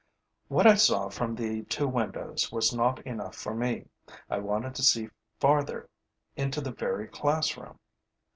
What I saw from the two windows was not enough for me. I wanted to see farther, into the very classroom.